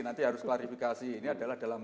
nanti harus klarifikasi ini adalah dalam